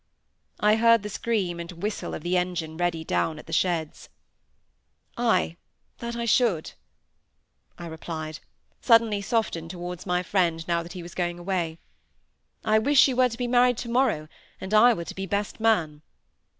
I heard the scream and whistle of the engine ready down at the sheds. "Ay, that I should," I replied, suddenly softened towards my friend now that he was going away. "I wish you were to be married to morrow, and I were to be best man."